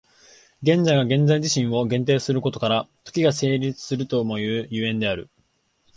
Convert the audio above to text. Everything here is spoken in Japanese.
現在が現在自身を限定することから、時が成立するともいう所以である。